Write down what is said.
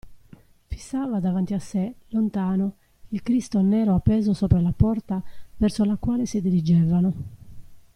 Fissava davanti a sé, lontano, il Cristo nero appeso sopra la porta verso la quale si dirigevano.